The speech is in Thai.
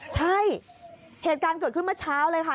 ใช่เหตุการณ์เกิดขึ้นเมื่อเช้าเลยค่ะ